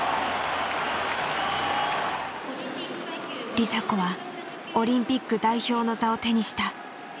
梨紗子はオリンピック代表の座を手にした。